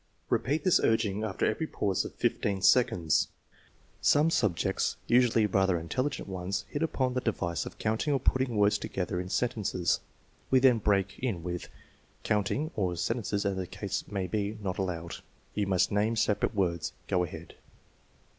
Repeat this urging after every pause of fifteen seconds. Some subjects, usually rather intelligent ones, hit upon the device of counting or putting words together in sen tences. We then break in with: " Counting (or sentences, as the case may be) not allowed. You must name separate words. Go ahead."